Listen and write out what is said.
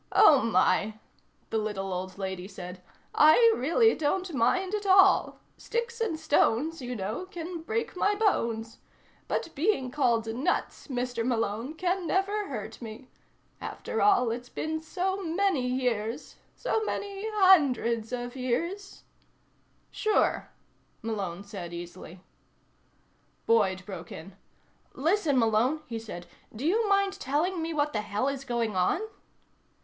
"Oh, my," the little old lady said. "I really don't mind at all. Sticks and stones, you know, can break my bones. But being called nuts, Mr. Malone, can never hurt me. After all, it's been so many years so many hundreds of years " "Sure," Malone said easily. Boyd broke in. "Listen, Malone," he said. "Do you mind telling me what the hell is going on?"